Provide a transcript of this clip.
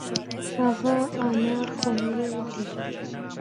هغه انار خوږ دی.